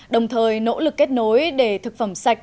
đồng thời nỗ lực kết nối để thực phẩm sạch